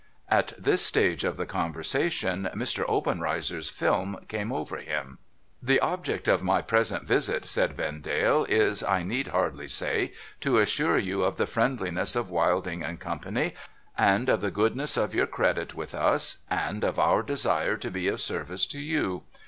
At this stage of the conversation, Mr. Obenreizer's film came over him. ' The object of my present visit,' said Vendale, ' is, I need hardly say, to assure you of the friendliness of Wilding and Co., and of the goodness of your credit with us, and of our desire to be of service to you.